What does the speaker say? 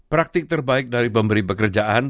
praktik terbaik dari pemberi pekerjaan